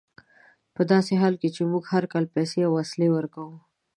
په داسې حال کې چې موږ هر کال پیسې او وسلې ورکوو.